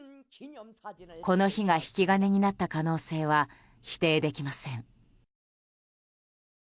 この日が引き金になった可能性は否定できません。